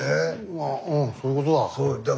うんそういうことだ。